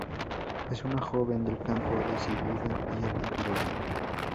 Es una joven del campo, decidida y aventurera.